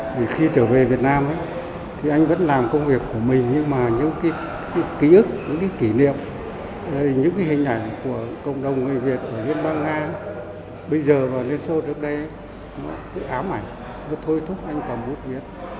vì khi trở về việt nam thì anh vẫn làm công việc của mình nhưng mà những cái ký ức những cái kỷ niệm những cái hình ảnh của cộng đồng người việt ở liên bang nga bây giờ và liên xô trước đây cứ ám ảnh nó thôi thúc anh còn bút viết